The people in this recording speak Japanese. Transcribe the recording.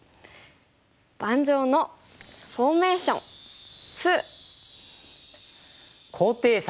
「盤上のフォーメーション２」。